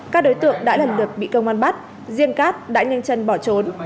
các đối tượng đã lần lượt bị công an bắt riêng cát đã nhanh chân bỏ trốn